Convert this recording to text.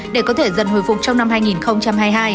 để có thể dần hồi phục trong năm hai nghìn hai mươi hai